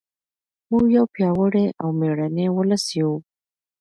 موږ یو پیاوړی او مېړنی ولس یو.